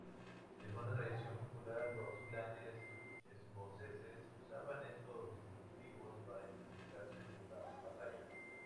Según la tradición popular, los clanes escoceses usaban estos distintivos para identificarse en batalla.